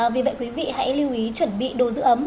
vì vậy quý vị hãy lưu ý chuẩn bị đồ giữ ấm